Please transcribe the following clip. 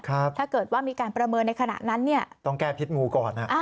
ถ้าเกิดว่ามีการประเมินในขณะนั้นเนี่ยต้องแก้พิษงูก่อน